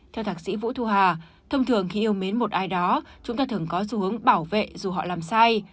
theo thạc sĩ vũ thu hà thông thường khi yêu mến một ai đó chúng ta thường có xu hướng bảo vệ dù họ làm sai